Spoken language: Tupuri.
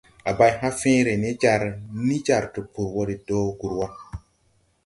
A bay hãã fẽẽre ne jar ni jar Tpur wo de do gur wa.